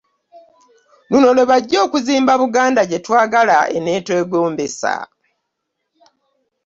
Luno lwebajja okuzimba Buganda gye twagala eneetwegombesa